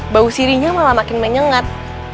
bau sirinya malah makin menyengat